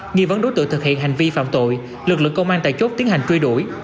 nghi vấn đối tượng thực hiện hành vi phạm tội lực lượng công an tại chốt tiến hành truy đuổi